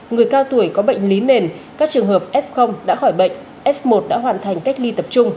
người cao tuổi có bệnh lý nền các trường hợp f đã khỏi bệnh f một đã hoàn thành cách ly tập trung